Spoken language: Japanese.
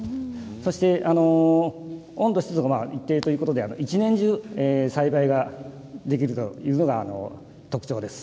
そして温度、湿度が一定ということで一年中、栽培ができるのが特徴ということです。